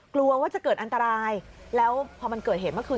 กลัวว่าจะเกิดอันตรายแล้วพอมันเกิดเหตุเมื่อคืน